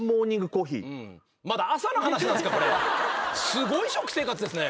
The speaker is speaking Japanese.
すごい食生活ですね。